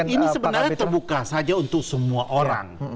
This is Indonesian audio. ini sebenarnya terbuka saja untuk semua orang